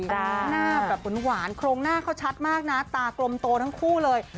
หน้าแบบหวานโครงหน้าเขาชัดมากนะตากลมโตทั้งคู่เลย